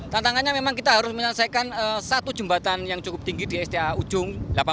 tantangannya memang kita harus menyelesaikan satu jembatan yang cukup tinggi di sda ujung